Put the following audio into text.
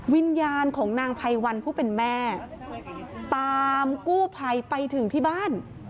วิญญาณของนางไพวันผู้เป็นแม่ตามกู้ภัยไปถึงที่บ้าน